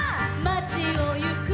「まちをゆく」